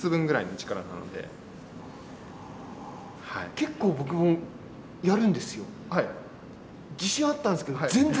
結構僕も、やるんですよ。